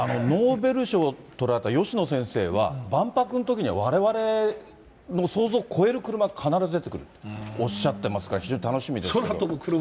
ノーベル賞取られた吉野先生は、万博のときには、われわれの想像を超える車、必ず出てくるとおっしゃってますから、非常に楽しみですね。